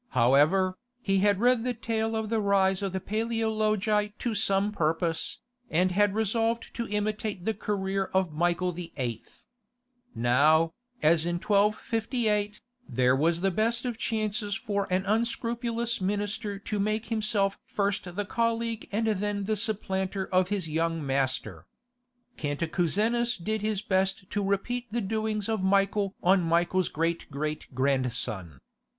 However, he had read the tale of the rise of the Paleologi to some purpose, and had resolved to imitate the career of Michael VIII. Now, as in 1258, there was the best of chances for an unscrupulous minister to make himself first the colleague and then the supplanter of his young master. Cantacuzenus did his best to repeat the doings of Michael on Michael's great great grandson.